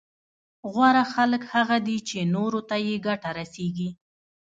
غوره خلک هغه دي چي نورو ته يې ګټه رسېږي